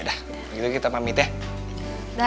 yaudah begitu kita pamit ya